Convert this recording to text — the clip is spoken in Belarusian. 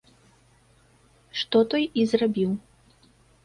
Што той і зрабіў.